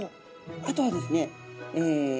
あとはですねえ